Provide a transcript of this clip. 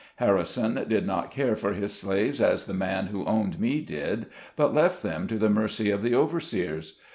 Harrison did not care for his slaves as the man who owned me did, but left them to the mercy of the overseers.